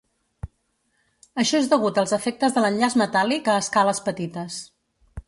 Això és degut als efectes de l'enllaç metàl·lic a escales petites.